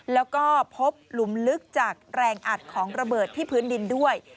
แล้วก็พบหลุมลึกจากแรงอัดของระเบิดที่พื้นดินด้วย